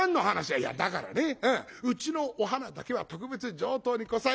「いやだからねうちのお花だけは特別上等にこさえた。